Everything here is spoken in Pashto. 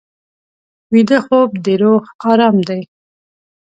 ویده خوب د روح ارام دی